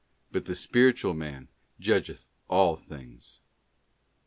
But the spiritual man judgeth all things.